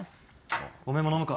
おめえも飲むか。